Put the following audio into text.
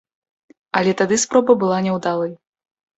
Але тады спроба была няўдалай.